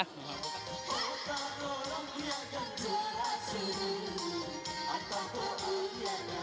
kami juga mencoba berbagai jenis makanan